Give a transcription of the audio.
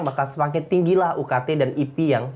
maka semakin tinggilah ukt dan ip yang